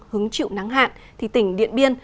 hứng chịu nắng hạn tỉnh điện biên